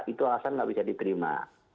itu alasan nggak bisa diterima